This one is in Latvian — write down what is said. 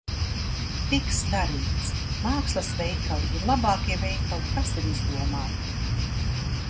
Tiks darīts. Mākslas veikali ir labākie veikali, kas ir izdomāti!